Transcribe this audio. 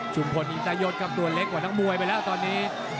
ชุมพลหิตายดกับตัวเล็กกว่าทั้งมวยไปแล้วตอนนี้